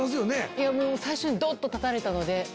いや最初にドンと立たれたので。